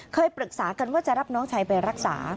เคยปรึกษากันว่าจะรับน้องชายไปรักษา